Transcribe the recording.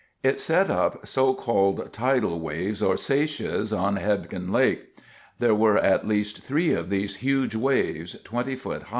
It set up so called tidal waves, or seiches, on Hebgen Lake. There were at least three of these huge waves—20 ft.